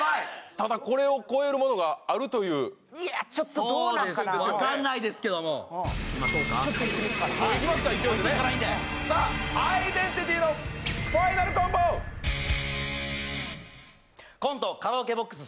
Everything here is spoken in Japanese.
ただこれを超えるものがあるといやちょっとどうなっかな分かんないですけどもいきましょうかちょっといってみっかさあアイデンティティのコントカラオケボックス